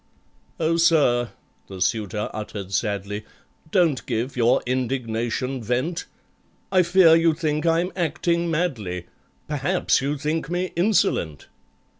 "Oh, sir," the suitor uttered sadly, "Don't give your indignation vent; I fear you think I'm acting madly, Perhaps you think me insolent?"